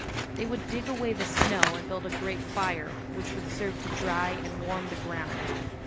They would dig away the snow and build a great fire, which would serve to dry and warm the ground.